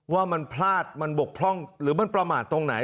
ว่ามันพลาดมันบกพร่องหรือมันประมาทตรงไหน